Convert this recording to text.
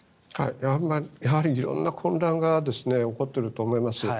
やはり色んな混乱が起こっていると思います。